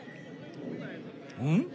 うん？